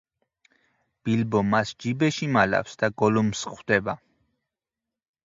ბილბო მას ჯიბეში მალავს და გოლუმს ხვდება.